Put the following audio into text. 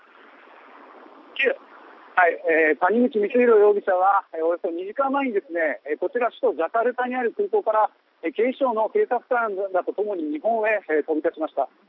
谷口光弘容疑者はおよそ２時間前にこちら首都ジャカルタにある空港から警視庁の警察官らとともに日本へ飛び立ちました。